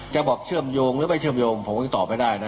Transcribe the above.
จะบอกเชื่อมโยงหรือไม่เชื่อมโยงผมยังตอบไม่ได้นะ